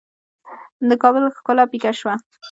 د کابل ښکلا پیکه شوه.